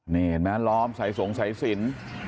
นี่เห็นมั้ยรอบใส่สงสัยสิน